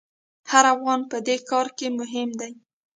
هر افغان په دې کار کې مهم دی.